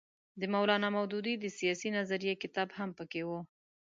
د مولانا مودودي د سیاسي نظریې کتاب هم پکې وو.